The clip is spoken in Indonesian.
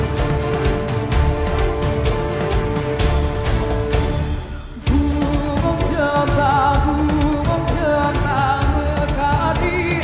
sejak dua puluh tujuh maret dua ribu tujuh belas